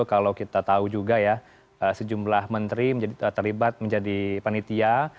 kalau kita tahu juga ya sejumlah menteri terlibat menjadi panitia